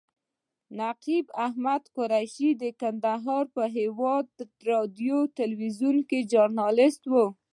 نقیب احمد قریشي د کندهار په هیواد راډیو تلویزیون کې ژورنالیست و.